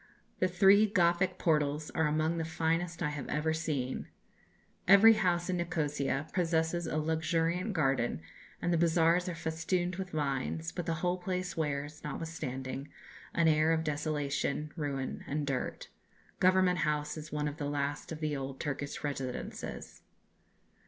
The three Gothic portals are among the finest I have ever seen. Every house in Nikosia possesses a luxuriant garden, and the bazaars are festooned with vines; but the whole place wears, notwithstanding, an air of desolation, ruin, and dirt. Government House is one of the last of the old Turkish residences.